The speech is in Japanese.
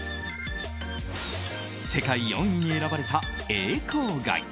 世界４位に選ばれた永康街。